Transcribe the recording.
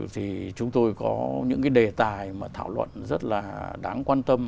thì chúng tôi có những cái đề tài mà thảo luận rất là đáng quan tâm